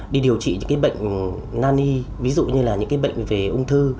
đi điều trị những cái bệnh nani ví dụ như là những cái bệnh về ung thư